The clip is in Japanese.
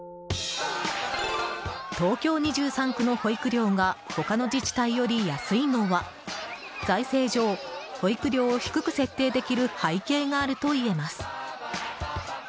東京２３区の保育料が他の自治体より安いのは財政上、保育料を低く設定できる背景があるといえます。